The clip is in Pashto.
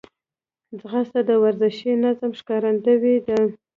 ځغاسته د ورزشي نظم ښکارندوی ده